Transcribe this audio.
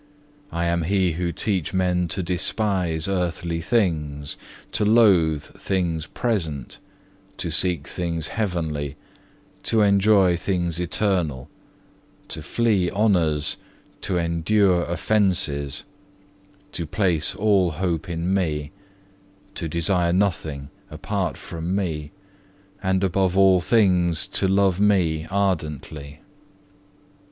I am He who teach men to despise earthly things, to loathe things present, to seek things heavenly, to enjoy things eternal, to flee honours, to endure offences, to place all hope in Me, to desire nothing apart from Me, and above all things to love Me ardently.